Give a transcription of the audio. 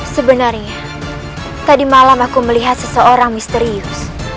sebenarnya tadi malam aku melihat seseorang misterius